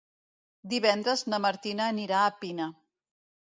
Divendres na Martina anirà a Pina.